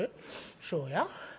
そうや。